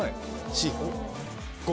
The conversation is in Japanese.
４・５。